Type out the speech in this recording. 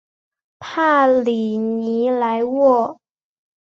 帕里尼莱沃。